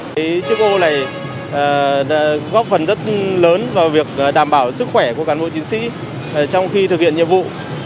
cái chiếc ô này góp phần rất lớn vào việc đảm bảo sức khỏe của cán bộ chiến sĩ trong khi thực hiện nhiệm vụ